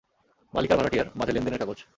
মালিক আর ভাড়াটিয়ার, মাঝে লেনদেনের কাগজ।